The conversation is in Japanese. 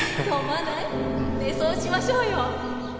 ねえそうしましょうよ。